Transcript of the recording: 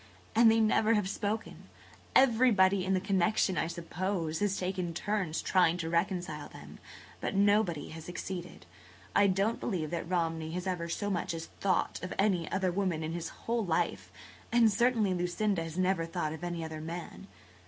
And they never have spoken. Everbody in the connection, I suppose, has taken turns trying to reconcile them, but nobody has succeeded. I don't believe that Romney has ever so much as thought of any other woman in his whole life, and certainly Lucinda [Page 142] has never thought of any other man.